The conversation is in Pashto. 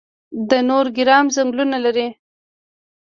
د نورګرام ځنګلونه لري